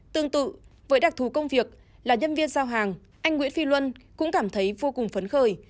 tương tự với đặc thù công việc là nhân viên giao hàng anh nguyễn phi luân cũng cảm thấy vô cùng phấn khởi